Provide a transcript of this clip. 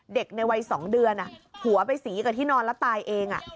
เด็กในวัย๒เดือนหัวไปสีกับที่นอนแล้วตายเอง